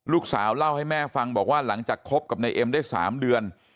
ลูกสาวเล่าให้แม่ฟังบอกว่าหลังจากคบกับนายเอ็มได้๓เดือน